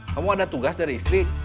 kamu ada tugas dari istri